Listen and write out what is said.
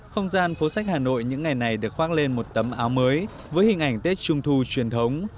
không gian phố sách hà nội những ngày này được khoác lên một tấm áo mới với hình ảnh tết trung thu truyền thống